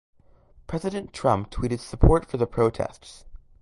President Trump tweeted support for the protests.